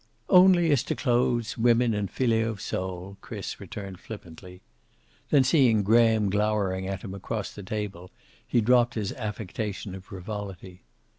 "Only as to clothes, women and filet of sole," Chris returned flippantly. Then, seeing Graham glowering at him across the table, he dropped his affectation of frivolity.